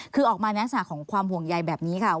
คือออกมาในลักษณะของความห่วงใยแบบนี้ค่ะ